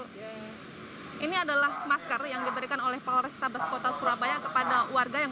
hai ini adalah masker yang diberikan oleh polrestabes kota surabaya kepada warga yang